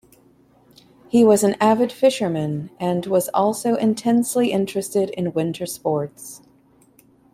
He was an avid fisherman, and was also intensely interested in winter sports.